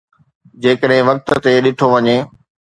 جيڪڏهن وقت تي ڏٺو وڃي